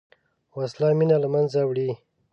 وسله مینه له منځه وړي